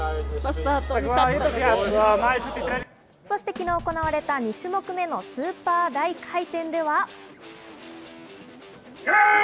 そして昨日行われた２種目目のスーパー大回転では。